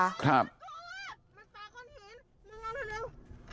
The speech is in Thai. ก็มันปลาก้อนหินมึงมาเร็ว